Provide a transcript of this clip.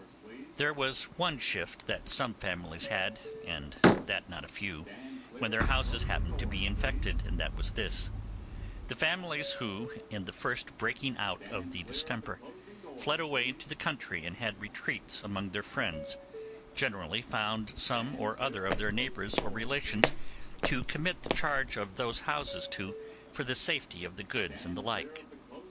There was one shift that some families had, and that not a few, when their houses happened to be infected, and that was this: the families who, in the first breaking out of the distemper, fled away into the country and had retreats among their friends, generally found some or other of their neighbours or relations to commit the charge of those houses to for the safety of the goods and the like.